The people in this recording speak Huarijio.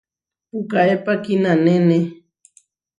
Pukaépa kinanéne.